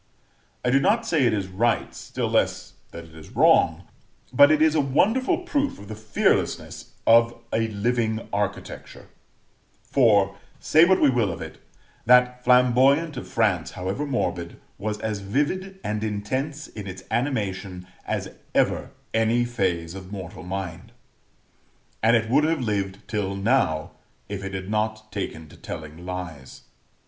I do not say it is right, still less that it is wrong, but it is a wonderful proof of the fearlessness of a living architecture; for, say what we will of it, that Flamboyant of France, however morbid, was as vivid and intense in its animation as ever any phase of mortal mind; and it would have lived till now, if it had not taken to telling lies.